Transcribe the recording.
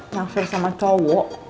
naksir sama cowok